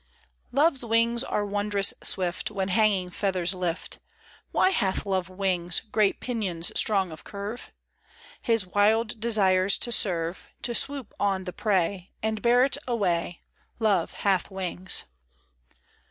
Love's wings are wondrous swift When hanging feathers lift. Why hath Love wings, Great pinions strong of curve ? His wild desires to serve ; To swoop on the prey, And bear it away, Love hath wings.